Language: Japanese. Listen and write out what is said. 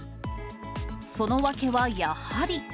その訳はやはり。